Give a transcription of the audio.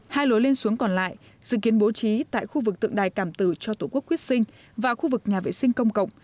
hai lối lên xuống còn lại dự kiến bố trí tại khu vực tượng đài cảm tử cho tổ quốc quyết sinh và khu vực nhà vệ sinh công cộng